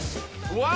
うわ！